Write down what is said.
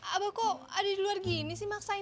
abah kok ada di luar gini sih maksain